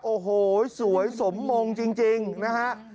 โอ้โหสวยสมมงจริงนะฮะ